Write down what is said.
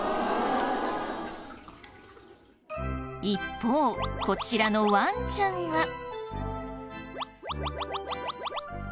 一方こちらのワンちゃんは。